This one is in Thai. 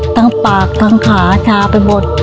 ทั้งปากทั้งขาชาไปหมด